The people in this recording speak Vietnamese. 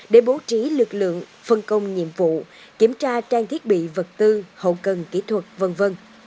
để bố trí lực lượng phân công nhiệm vụ kiểm tra trang thiết bị vật tư hậu cần kỹ thuật v v